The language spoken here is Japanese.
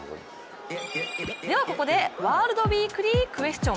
ではここでワールドウィークリークエスチョン。